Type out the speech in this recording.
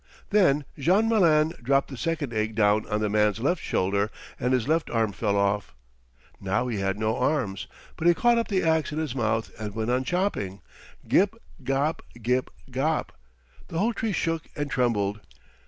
Then Jean Malin dropped the second egg down on the man's left shoulder, and his left arm fell off. Now he had no arms, but he caught up the ax in his mouth and went on chopping, Gip, gop! Gip, gop! The whole tree shook and trembled.